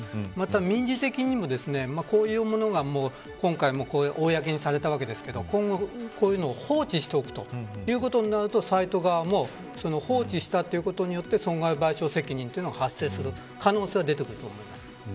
また、民事的にもこういうものが今回、公にされたわけですけど今後こういうのを放置していくとなるとサイト側も放置したということによって損害賠償責任が発生する可能性があります。